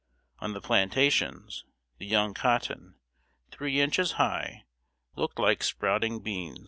On the plantations, the young cotton, three inches high, looked like sprouting beans.